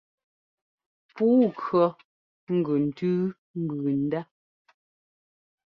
Puu kʉɔ gʉ ntʉ́u mbʉʉ ndá.